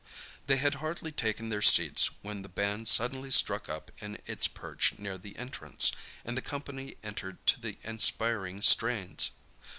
They had hardly taken their seats when the band suddenly struck up in its perch near the entrance, and the company entered to the inspiring strains.